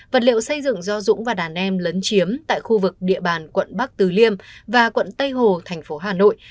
vật liệu xây dựng do dũng và đàn em lấn chiếm tại khu vực địa bàn quận bắc từ liêm và quận tây hồ thành phố hà nội